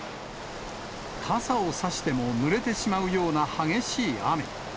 傘を差してもぬれてしまうような激しい雨。